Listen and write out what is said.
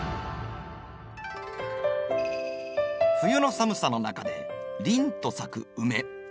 冬の寒さの中で凜と咲くウメ。